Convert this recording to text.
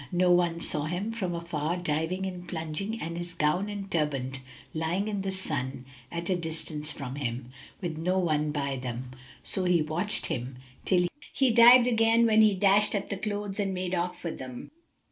Now one saw him from afar diving and plunging and his gown and turband lying in the sun at a distance from him, with no one by them; so he watched him, till he dived again when he dashed at the clothes and made off with them.